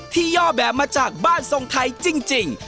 ย่อแบบมาจากบ้านทรงไทยจริง